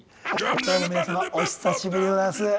どうも皆様お久しぶりでございます。